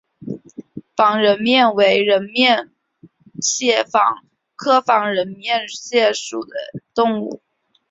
仿人面蟹为人面蟹科仿人面蟹属的动物。